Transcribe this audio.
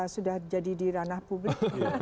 sudah jadi di ranah publik